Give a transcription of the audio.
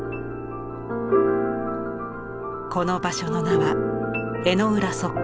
この場所の名は「江之浦測候所」。